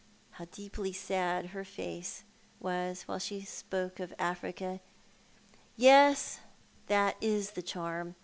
How deeply sad her face was while she spoke of Africa ! Yes, that is the charm.